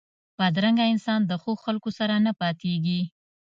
بدرنګه انسان د ښو خلکو سره نه پاتېږي